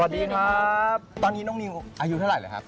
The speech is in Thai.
สวัสดีครับตอนนี้น้องนิวอายุเท่าไหร่ครับ